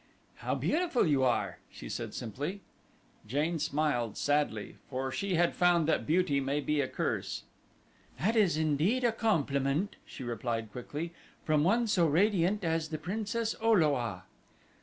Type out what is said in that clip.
"How beautiful you are," she said simply. Jane smiled, sadly; for she had found that beauty may be a curse. "That is indeed a compliment," she replied quickly, "from one so radiant as the Princess O lo a."